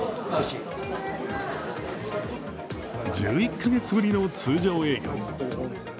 １１カ月ぶりの通常営業。